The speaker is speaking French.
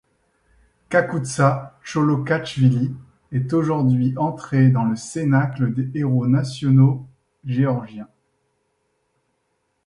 Kakoutsa Tcholokhachvili est aujourd’hui entré dans le cénacle des héros nationaux géorgiens.